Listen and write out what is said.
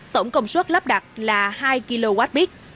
tổng công suất lắp đặt là hai kilowatt bit